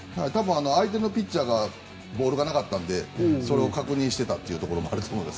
相手のピッチャーがボールがなかったのでそれを確認していたというところがあると思います。